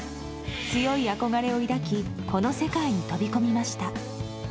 強い憧れを抱きこの世界に飛び込みました。